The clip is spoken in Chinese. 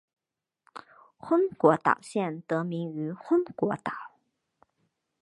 昏果岛县得名于昏果岛。